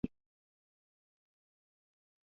د دوی چپ لاس به داسې و لکه شل چې وي.